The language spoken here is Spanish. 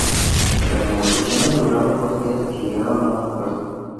Las negociaciones duraron dos días y llegaron a un acuerdo.